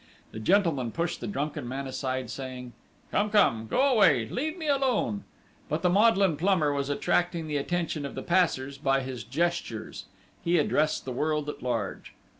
The gentleman pushed the drunken man aside, saying: "Come! Come! Go away!... Leave me alone!" But the maudlin plumber was attracting the attention of the passers by his gestures. He addressed the world at large.